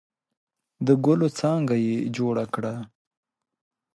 د ګلو څانګه یې جوړه کړه.